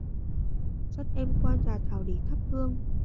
dắt em qua nhà thảo để thắp hương